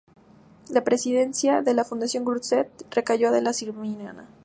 La presidencia de la Fundació Grup Set recayó Adela Subirana.